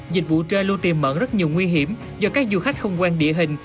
dịch vụ tre lưu tiềm mẩn rất nhiều nguy hiểm do các du khách không quen địa hình